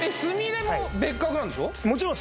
もちろん